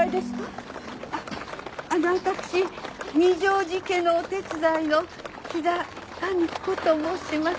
あっあの私二条路家のお手伝いの木田民子と申します。